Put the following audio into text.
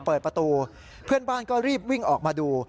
เพื่อนบ้านก็รีบวิ่งออกมาดู